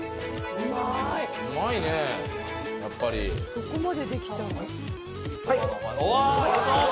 うまいねぇやっぱりそこまでできちゃうんだはい